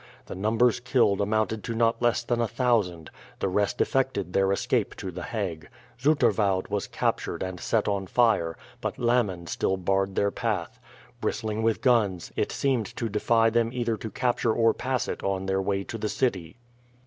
The numbers killed amounted to not less than a thousand; the rest effected their escape to the Hague. Zoeterwoude was captured and set on fire, but Lammen still barred their path. Bristling with guns, it seemed to defy them either to capture or pass it on their way to the city.